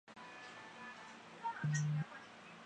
公园内还有较多处于濒危状态的人科猩猩属哺乳动物。